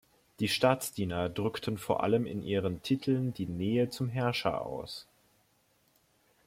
Die Staatsdiener drückten vor allem in ihren Titeln die Nähe zum Herrscher aus.